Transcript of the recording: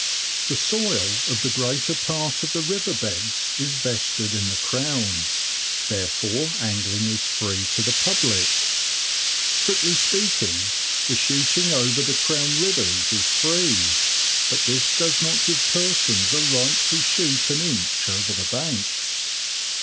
The soil of the greater part of the river beds is vested in the Crown, therefore angling is free to the public. Strictly speaking, the shooting over the Crown rivers is free, but this does not give persons a right to shoot an inch over the banks.